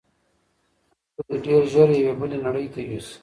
خوب به دی ډېر ژر یوې بلې نړۍ ته یوسي.